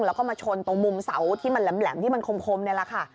แล้วก็มาชนตรงมุมเสาที่มันแหลมที่มันคมนี่แหละค่ะ